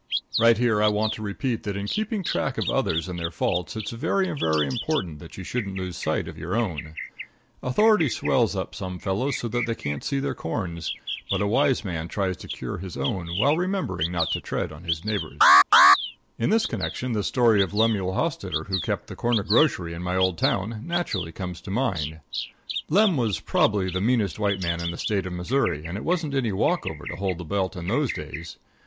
Right here I want to repeat that in keeping track of others and their faults it's very, very important that you shouldn't lose sight of your own. Authority swells up some fellows so that they can't see their corns; but a wise man tries to cure his own while remembering not to tread on his neighbors'. [Illustration: "A good many salesmen have an idea that buyers are only interested in funny stories."] In this connection, the story of Lemuel Hostitter, who kept the corner grocery in my old town, naturally comes to mind. Lem was probably the meanest white man in the State of Missouri, and it wasn't any walk over to hold the belt in those days.